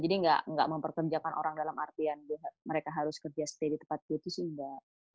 jadi enggak memperkerjakan orang dalam artian mereka harus kerja stay di tempat gitu sih enggak